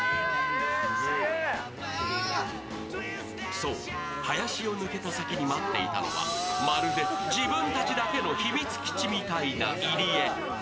そう、林を抜けた先に待っていたのは、まるで自分たちだけの秘密基地みたいな入り江。